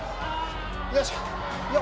よいしょ。